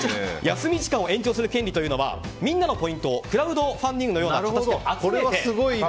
休み時間を延長する権利というのはみんなのポイントをクラウドファンディングのような形で集めて。